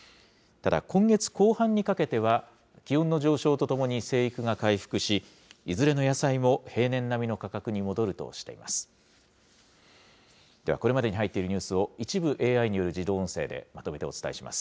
ただ、今月後半にかけては、気温の上昇とともに生育が回復し、いずれの野菜も平年並みの価格に戻るとしています。